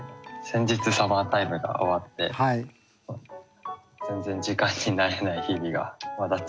先日サマータイムが終わって全然時間に慣れない日々がまだ続いてます。